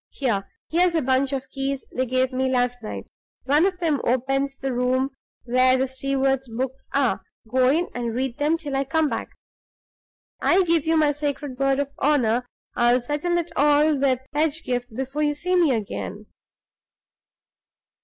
Here! here's a bunch of keys they gave me last night: one of them opens the room where the steward's books are; go in and read them till I come back. I give you my sacred word of honor I'll settle it all with Pedgift before you see me again."